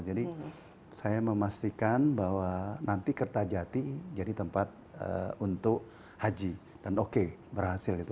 jadi saya memastikan bahwa nanti kertajati jadi tempat untuk haji dan oke berhasil gitu